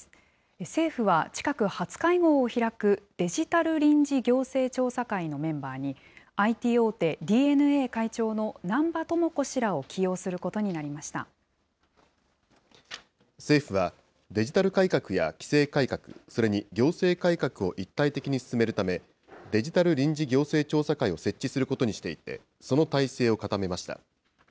政府は、近く初会合を開くデジタル臨時行政調査会のメンバーに、ＩＴ大手、ディー・エヌ・エー会長の南場智子氏らを起用することになりまし政府は、デジタル改革や規制改革、それに行政改革を一体的に進めるため、デジタル臨時行政調査会を設置することにしていて、その体制を固めました。